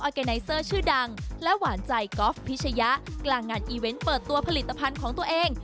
เกไนเซอร์ชื่อดังและหวานใจก๊อฟพิชยะกลางงานอีเวนต์เปิดตัวผลิตภัณฑ์ของตัวเอง